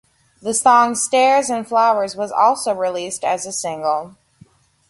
The song "Stairs and Flowers" was also released as a single.